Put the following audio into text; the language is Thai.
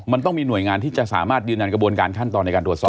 มันต้องมีหน่วยงานที่จะสามารถยืนยันกระบวนการขั้นตอนในการตรวจสอบ